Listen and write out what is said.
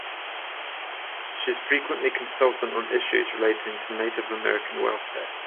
She is frequently consultant on issues relating to Native American welfare.